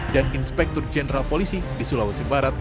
dan inspektur jenderal polisi di sulawesi barat